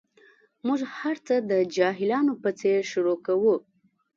موږ هر څه د جاهلانو په څېر شروع کوو.